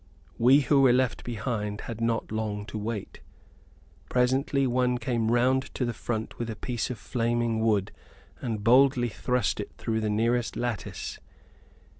"We who were left behind had not long to wait. Presently, one came round to the front with a piece of flaming wood and boldly thrust it through the nearest lattice.